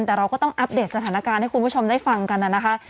แต่เราก็ต้องอัปเดตสถานการณ์ให้คุณผู้ชมได้ฟังกันนะคะ